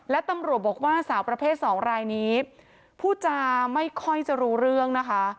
และตำรวจบอกว่าสาวประเภทสองรายนี้พูดจาไม่ค่อยจะรู้เรื่องนะคะ